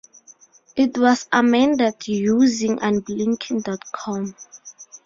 It was amended using UnBlinking dot com.